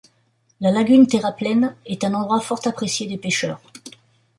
La lagune Terraplén est un endroit fort apprécié des pêcheurs.